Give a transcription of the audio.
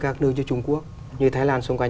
các nước như trung quốc như thái lan xung quanh